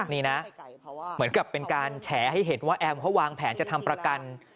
นี่นะเหมือนกับเป็นการแฉให้เห็นว่าแอมเขาวางแผนจะทำประกัน